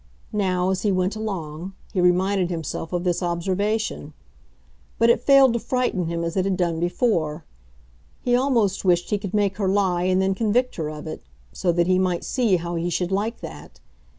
Now, as he went along, he reminded himself of this observation; but it failed to frighten him as it had done before. He almost wished he could make her lie and then convict her of it, so that he might see how he should like that.